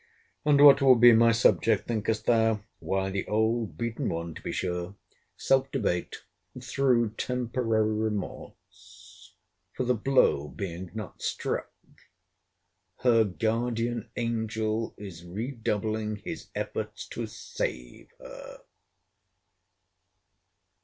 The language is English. And what will be my subject thinkest thou? Why, the old beaten one to be sure; self debate—through temporary remorse: for the blow being not struck, her guardian angel is redoubling his efforts to save her.